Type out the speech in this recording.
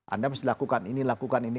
anda mesti lakukan ini lakukan ini